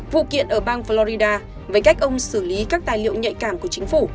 vụ kiện ở bang florida với cách ông xử lý các tài liệu nhạy cảm của chính phủ